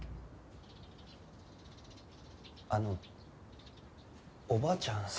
あのおばあちゃん。